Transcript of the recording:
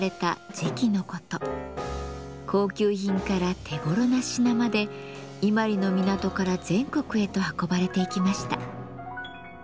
高級品から手頃な品まで伊万里の港から全国へと運ばれていきました。